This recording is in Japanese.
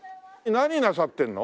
何なさってるの？